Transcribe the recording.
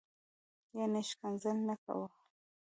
یعنی شکنځل نه کوه